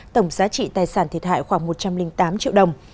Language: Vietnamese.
tổng giá trị tài sản thiệt hại khoảng một trăm linh tám triệu đồng